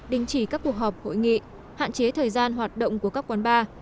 đình chỉ các cuộc họp hội nghị hạn chế thời gian hoạt động của các quán bar